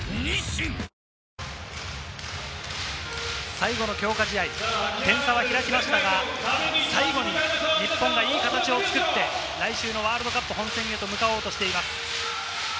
最後の強化試合、点差は開きましたが、最後に日本がいい形を作って来週のワールドカップ本戦へと向かおうとしています。